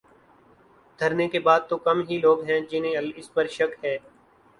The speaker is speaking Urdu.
دھرنے کے بعد تو کم ہی لوگ ہیں جنہیں اس پر شک ہے۔